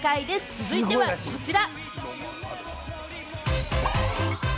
続いてはこちら。